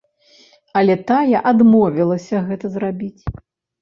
Але тая адмовілася гэта зрабіць.